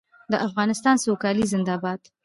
د افغانستان سوکالي زنده باد.